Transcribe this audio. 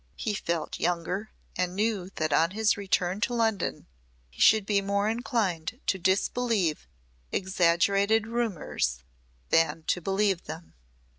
He felt younger and knew that on his return to London he should be more inclined to disbelieve exaggerated rumours than to believe them.